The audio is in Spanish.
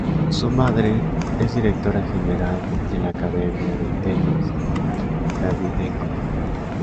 Su madre, es directora general de la Academia de Tenis Davydenko.